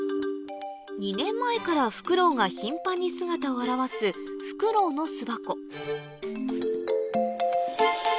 ２年前からフクロウが頻繁に姿を現すフクロウの巣箱